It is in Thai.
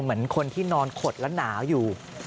เหมือนคนที่นอนขดและหนาวอยู่